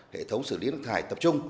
hệ thống xử lý nước thải tập trung